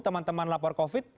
teman teman lapor covid